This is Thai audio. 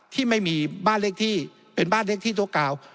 ที่ไม่มีบ้านเล็กที่ตัวกลาง